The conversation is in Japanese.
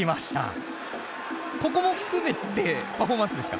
ここも含めてパフォーマンスですか？